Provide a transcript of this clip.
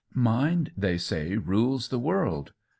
Mind, they say, rules the world.